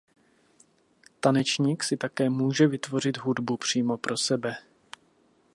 Tanečník si také může vytvořit hudbu přímo pro sebe.